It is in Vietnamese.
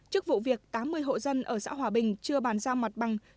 trước vụ việc tám mươi hộ dân ở xã hòa bình chưa bàn giao mặt bằng